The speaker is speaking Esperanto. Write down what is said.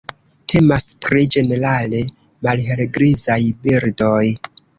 Temas pri ĝenerale malhelgrizaj birdoj.